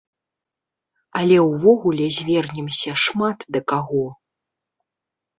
Але ўвогуле звернемся шмат да каго.